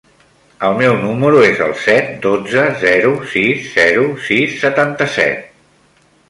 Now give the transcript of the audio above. El meu número es el set, dotze, zero, sis, zero, sis, setanta-set.